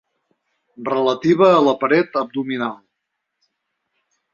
Relativa a la paret abdominal.